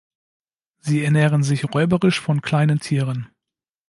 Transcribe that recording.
Sie ernähren sich räuberisch von kleinen Tieren.